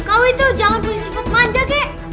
kau itu jangan punya sifat manja kek